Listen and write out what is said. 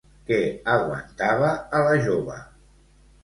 Què aguantava a la jove?